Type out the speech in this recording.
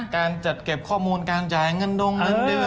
การจัดเก็บข้อมูลการจ่ายเงินดมนุษย์